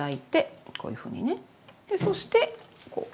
そしてこう。